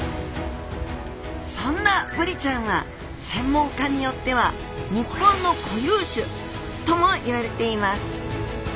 そんなブリちゃんは専門家によっては日本の固有種ともいわれています